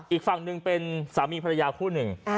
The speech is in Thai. อีกฝั่งหนึ่งเป็นสามีภรรยาคู่หนึ่ง